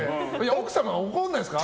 奥様は怒らないですか？